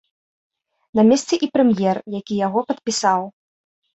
На месцы і прэм'ер, які яго падпісаў.